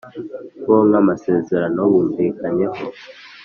Bo Nk Amasezerano Bumvikanyeho